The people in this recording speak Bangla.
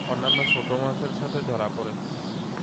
অন্যান্য ছোট মাছের সাথে ধরা পড়ে।